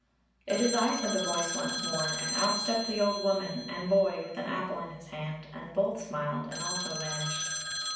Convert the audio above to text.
"It is I," said the voice once more, and out stepped the old woman and boy with an apple in his hand, and both smiled and also vanished.